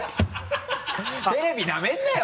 テレビなめるなよ！